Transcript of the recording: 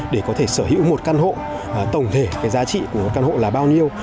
để có thể sở hữu một căn hộ tổng thể cái giá trị của một căn hộ là bao nhiêu